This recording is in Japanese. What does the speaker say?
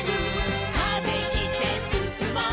「風切ってすすもう」